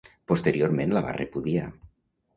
Posteriorment la va repudiar.